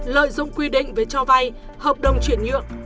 lợi dụng quy định về cho vay hợp đồng chuyển nhượng